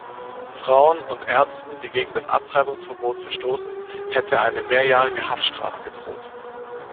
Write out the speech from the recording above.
Frauen und Ärzten, die gegen das Abtreibungsverbot verstoßen, hätte eine mehrjährige Haftstrafe gedroht.